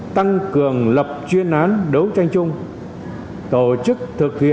tăng cường lập chuyên án đấu tranh chung tổ chức thực hiện